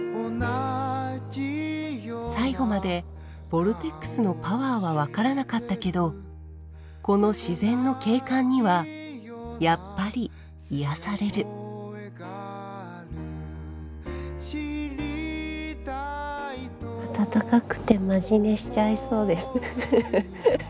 最後までボルテックスのパワーは分からなかったけどこの自然の景観にはやっぱり癒やされる暖かくてマジ寝しちゃいそうです。